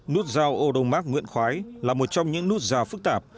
nút giao âu đông mác nguyễn khoái là một trong những nút giao phức tạp